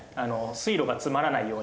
水路が詰まらないように。